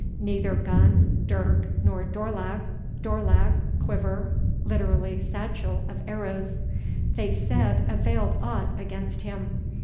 Neither gun, dirk, nor dourlach [DOURLACH quiver; literally, satchel of arrows.], they said, availed aught against him.